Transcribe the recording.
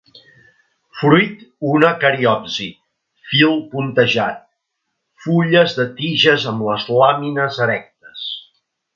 Fruit una cariopsi; fil puntejat. Fulles de tiges amb les làmines erectes.